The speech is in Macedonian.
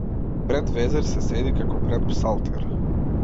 Пред везир се седи како пред псалтир!